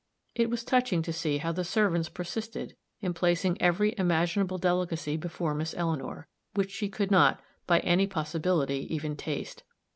It was touching to see how the servants persisted in placing every imaginable delicacy before Miss Eleanor, which she could not, by any possibility, even taste.